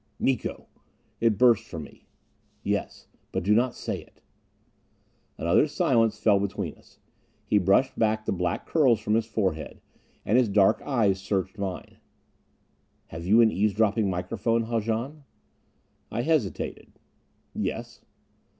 "Miko!" It burst from me. "Yes. But do not say it." Another silence fell between us. He brushed back the black curls from his forehead. And his dark eyes searched mine. "Have you an eavesdropping microphone, Haljan?" I hesitated. "Yes."